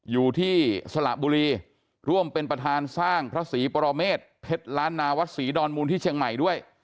สละบุรีร่วมเป็นประธานสร้างพระศรีปรเมษเพชรล้านนาวัดศรีดอนมูลที่เชียงใหม่ด้วย